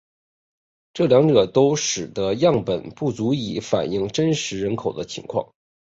这两者都使得样本不足以反映真实人口的情况。